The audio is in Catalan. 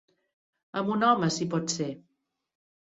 Amb un home si pot ser.